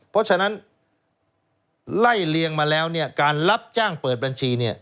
เพราะฉะนั้นไล่เลียงมาแล้วเนี่ยการรับจ้างเปิดบัญชีเนี่ย